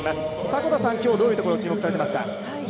迫田さん、今日、どういうところ注目されてますか？